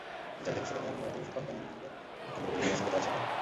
জাভেদের ভাষ্য, গতকাল মঙ্গলবার রাতে ওষুধ খাওয়াকে কেন্দ্র রোজিনার সঙ্গে তাঁর ঝগড়া হয়।